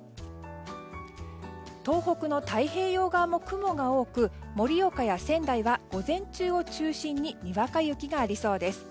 東北の太平洋側も雲が多く盛岡や仙台は午前中を中心ににわか雪がありそうです。